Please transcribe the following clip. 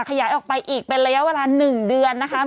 ขยายออกไปอีกเป็นระยะเวลา๑เดือนนะคะ